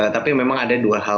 tapi memang ada dua hal